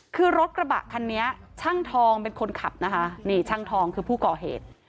คือรถกระบะคันนี้ช่างทองเป็นคนขับนะคะนี่ช่างทองคือผู้ก่อเหตุ